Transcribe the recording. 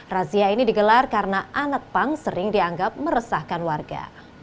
razia ini digelar karena anak pang sering dianggap meresahkan warga